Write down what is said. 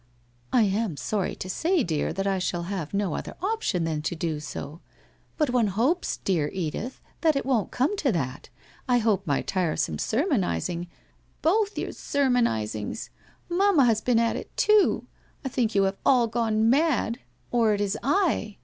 '' I am sorry, to say, dear, that I shall have no other op tion than to do so! But one hopes, dear Edith, that it won't come to that. I hope my tiresome sermonizing ' 1 Both your sermonizings ! Mamma has heen at me too. I think you have all gone mad, or it is I.